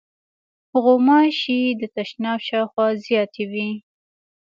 غوماشې د تشناب شاوخوا زیاتې وي.